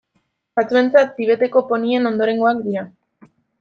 Batzuentzat Tibeteko ponien ondorengoak dira.